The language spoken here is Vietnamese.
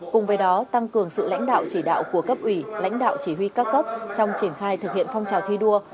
cùng với đó tăng cường sự lãnh đạo chỉ đạo của cấp ủy lãnh đạo chỉ huy cao cấp trong triển khai thực hiện phong trào thi đua